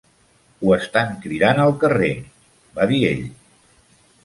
"Ho estan cridant al carrer, va dir ell.